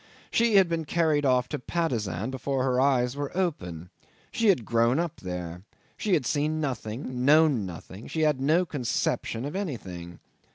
She had been carried off to Patusan before her eyes were open. She had grown up there; she had seen nothing, she had known nothing, she had no conception of anything.